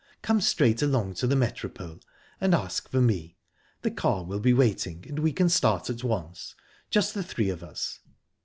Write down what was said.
Come straight along to the Metropole, and ask for me. The car will be waiting, and we can start at once just the three of us."